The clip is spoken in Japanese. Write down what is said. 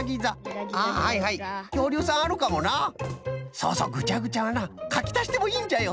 そうそうぐちゃぐちゃはなかきたしてもいいんじゃよ。